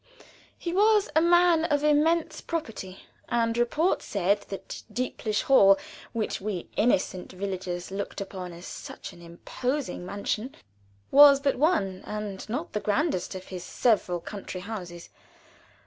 He was a man of immense property, and report said that Deeplish Hall, which we innocent villagers looked upon as such an imposing mansion, was but one and not the grandest of his several country houses.